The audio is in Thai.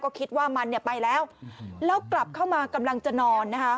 ก็คิดว่ามันเนี่ยไปแล้วแล้วกลับเข้ามากำลังจะนอนนะคะ